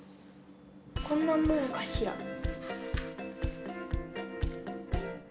こんなもんかしら？